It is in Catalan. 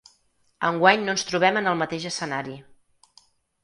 Enguany no ens trobem en el mateix escenari.